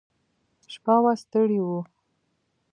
شپه وه ستړي وو.